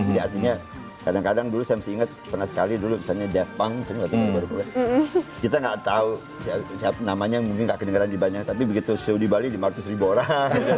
jadi artinya kadang kadang dulu saya masih ingat pernah sekali dulu misalnya daft punk kita gak tau namanya mungkin gak kedengeran dibanyak tapi begitu show di bali di lima ratus ribu orang